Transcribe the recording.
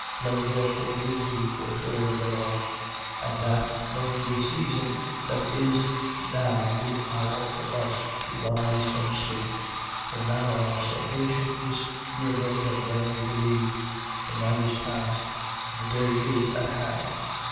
Love therefore is the fulfilling of the law. 13:11. And that, knowing the season, that it is now the hour for us to rise from sleep. For now our salvation is nearer than when we believed. 13:12. The night is passed And the day is at hand.